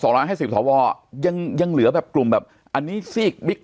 ร้อยห้าสิบสวยังยังเหลือแบบกลุ่มแบบอันนี้ซีกบิ๊ก